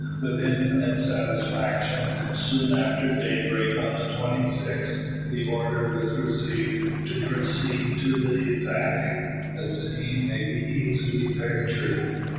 With infinite satisfaction, soon after daybreak on the 26th, the order was received to proceed to the attack. The scene may be easily pictured.